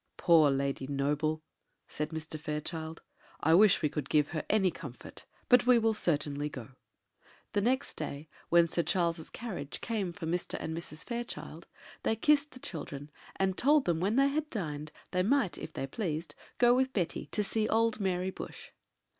"Poor Lady Noble!" said Mr. Fairchild; "I wish we could give her any comfort! but we will certainly go." The next day, when Sir Charles's carriage came for Mr. and Mrs. Fairchild, they kissed the children, and told them when they had dined, they might, if they pleased, go with Betty to see old Mary Bush.